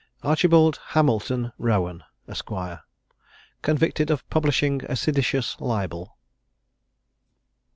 ARCHIBALD HAMILTON ROWAN, ESQ. CONVICTED OF PUBLISHING A SEDITIOUS LIBEL.